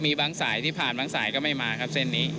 มีบางสายที่ผ่านบางสายก็ไม่มาครับเส้นนี้